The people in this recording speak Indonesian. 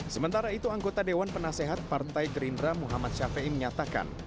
sementara itu anggota dewan penasehat partai gerindra muhammad syafiei menyatakan